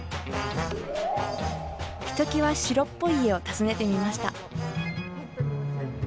ひときわ城っぽい家を訪ねてみました。